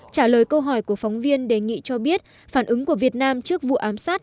trả lời câu hỏi của phóng viên đề nghị cho biết phản ứng của việt nam trước vụ ám sát